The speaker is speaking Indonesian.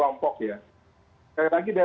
bukan untuk kepentingan orang per orang kelompok ya